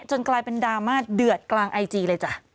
กลายเป็นดราม่าเดือดกลางไอจีเลยจ้ะ